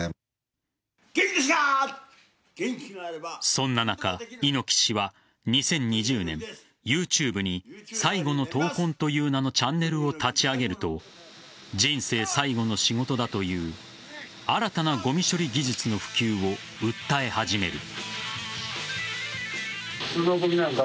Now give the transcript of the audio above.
そんな中、猪木氏は２０２０年ＹｏｕＴｕｂｅに最後の闘魂という名のチャンネルを立ち上げると人生最後の仕事だという新たなごみ処理技術の普及を訴え始める。